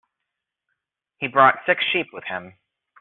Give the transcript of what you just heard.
He brought six sheep with him.